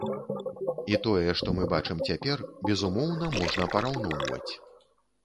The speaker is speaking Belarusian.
І тое, што мы бачым цяпер, безумоўна, можна параўноўваць.